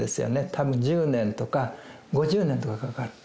たぶん１０年とか５０年とかかかる。